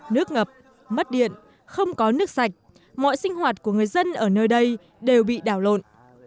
nước ngập mất điện không có nước sạch mọi sinh hoạt của người dân ở nơi đây đều bị đảo lộn